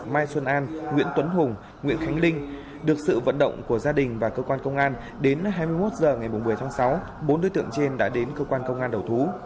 mai xuân an nguyễn tuấn hùng nguyễn khánh linh được sự vận động của gia đình và cơ quan công an đến hai mươi một h ngày một mươi tháng sáu bốn đối tượng trên đã đến cơ quan công an đầu thú